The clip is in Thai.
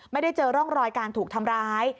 ไม่ได้เจอร่องรอยการถูกทำร้าย